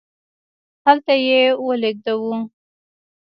هلته یې ولیږدوو.